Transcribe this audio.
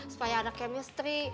supaya ada chemistry